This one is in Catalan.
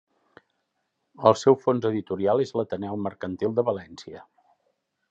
El seu fons editorial és a l'Ateneu Mercantil de València.